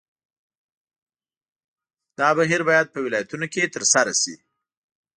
دا بهیر باید په ولایتونو کې ترسره شي.